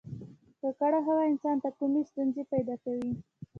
ککړه هوا انسان ته کومې ستونزې پیدا کوي